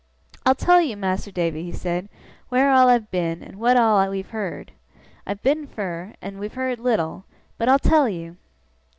'I'll tell you, Mas'r Davy,' he said, 'wheer all I've been, and what all we've heerd. I've been fur, and we've heerd little; but I'll tell you!